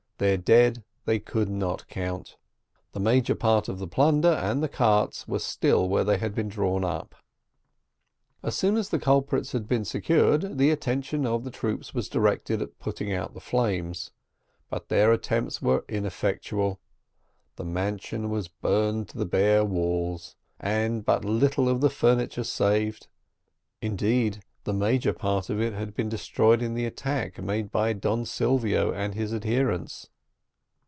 Their dead they could not count. The major part of the plunder and the carts were still where they had been drawn up. As soon as the culprits had been secured, the attention of the troops was directed to putting out the flames, but their attempts were ineffectual; the mansion was burned to the bare walls, and but little of the furniture saved; indeed, the major part of it had been destroyed in the attack made by Don Silvio and his adherents.